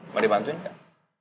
mau dibantuin gak